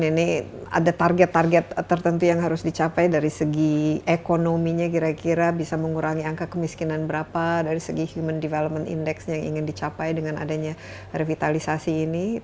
ini ada target target tertentu yang harus dicapai dari segi ekonominya kira kira bisa mengurangi angka kemiskinan berapa dari segi human development index yang ingin dicapai dengan adanya revitalisasi ini